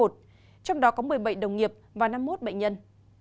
trong đó có một mươi bảy đồng nghiệp và năm mươi một bệnh nhân